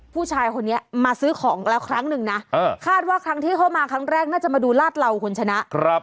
ผู้ชายคนนี้มาซื้อของแล้วครั้งหนึ่งนะคาดว่าครั้งที่เข้ามาครั้งแรกน่าจะมาดูลาดเหล่าคุณชนะ